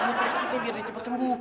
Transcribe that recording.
amutin kita biar cepat sembuh